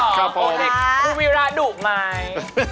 ก้าวโพยสินะคะคุณครูเบรอร์ล่าดุไหม